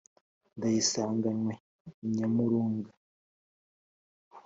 ndayisanganywe nyamurunga.